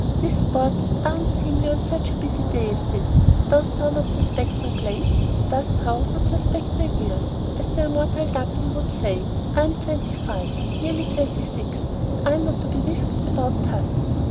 These sports are unseemly on such a busy day as this. 'Dost thou not suspect my place? dost thou not suspect my years?' as the immortal W. would say. I am twenty five, nearly twenty six, and am not to be whisked about thus."